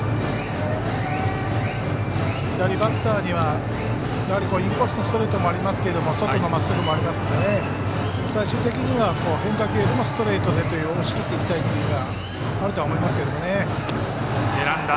左バッターにはインコースのストレートもありますけれども外のまっすぐもありますので最終的には変化球よりもストレートで押し切っていきたいというのはあると思いますけどね。